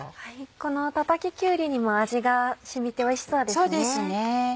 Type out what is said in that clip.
このたたききゅうりにも味が染みておいしそうですね。